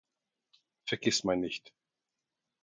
Vergiss mein nicht!